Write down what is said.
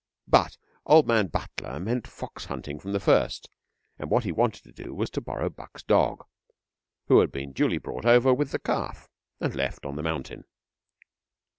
But old man Butler meant fox hunting from the first, and what he wanted to do was to borrow Buck's dog, who had been duly brought over with the calf, and left on the mountain.